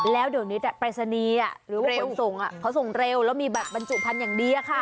แล้วเดี๋ยวนี้แต่ปรายศนีย์อ่ะหรือว่าคนส่งอ่ะเขาส่งเร็วแล้วมีแบบบรรจุภัณฑ์อย่างดีอะค่ะ